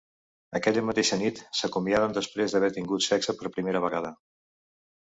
Aquella mateixa nit s’acomiaden després d’haver tingut sexe per primera vegada.